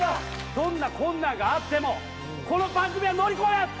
どんな困難があってもこの番組は乗り越えます！